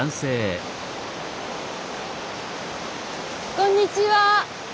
こんにちは。